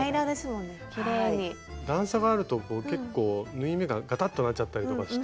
段差があると結構縫い目がガタッとなっちゃったりとかして。